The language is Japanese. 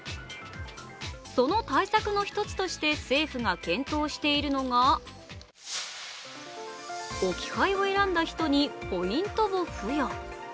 その対策の１つとして政府が検討しているのが置き配を選んだ人にポイントを付与。